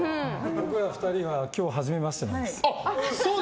僕ら２人は今日はじめましてなんです。